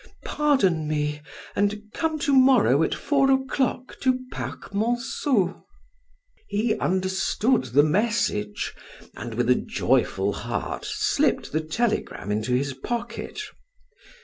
Pardon me and come to morrow at four o'clock to Park Monceau." He understood the message, and with a joyful heart, slipped the telegram into his pocket.